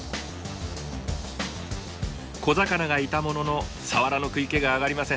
小魚がいたもののサワラの食い気が上がりません。